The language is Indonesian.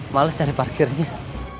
males cari parkirnya